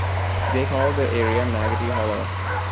They called the area Maggotty Hollow.